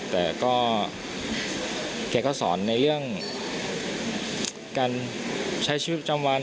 แต่ก็แกก็สอนในเรื่องการใช้ชีวิตประจำวัน